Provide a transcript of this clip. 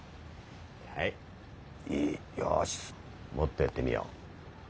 はいよしもっと寄ってみよう。